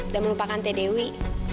dan melupakan teh dewi